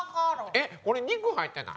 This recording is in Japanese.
えっ、これ肉入ってない？